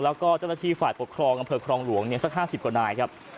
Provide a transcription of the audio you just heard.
แล้วก็เจ้าหน้าที่ฝ่ายปกครองอำเภอครองหลวงสัก๕๐กว่านายครับ